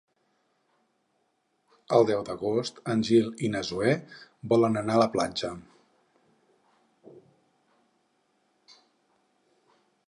El deu d'agost en Gil i na Zoè volen anar a la platja.